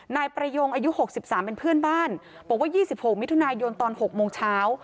นายประยงอายุ๖๓เป็นเพื่อนบ้านบอกว่า๒๖มิถุนายนตอน๖โมงเช้า